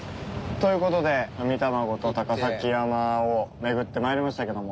という事でうみたまごと高崎山を巡って参りましたけども。